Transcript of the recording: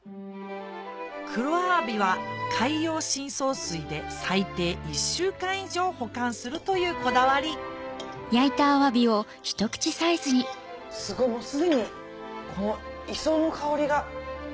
黒アワビは海洋深層水で最低１週間以上保管するというこだわりすごいすでにこの磯の香りが。